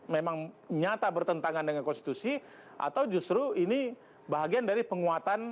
memang nyata bertentangan dengan konstitusi atau justru ini bahagian dari penguatan